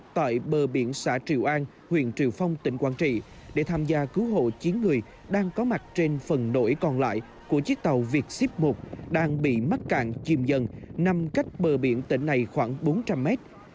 tại bờ biển xã triều an huyện triều phong tỉnh quảng trị để tham gia cứu hộ chiến người đang có mặt trên phần nỗi còn lại của chiếc tàu việt ship một đang bị mắc cạn chìm dần nằm cách bờ biển tỉnh này khoảng bốn trăm linh mét